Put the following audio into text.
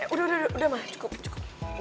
udah udah mah cukup cukup